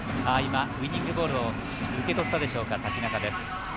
ウイニングボールを受け取ったでしょうか、瀧中です。